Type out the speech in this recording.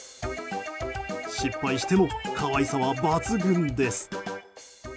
失敗しても可愛さは抜群です。